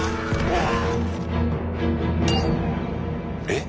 えっ？